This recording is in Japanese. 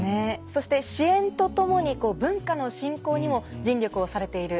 そして支援と共に文化の振興にも尽力をされている。